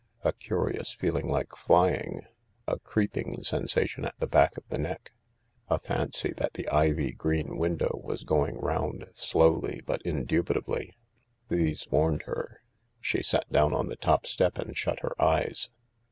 A curious feeling like flying — a creeping sensa tion at the back of the neck— a fancy that the ivy green window was going round slowly but indubitably — these warned her. She sat down on the top step and shut her eyes.